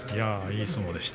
いい相撲でした。